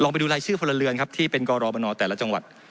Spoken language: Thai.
ลองไปดูรายชื่อทำเป็นกรมณแต่ละจังหวัด